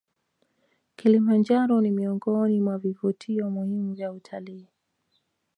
kilimanjaro ni miongoni mwa vivutio muhimu vya utalii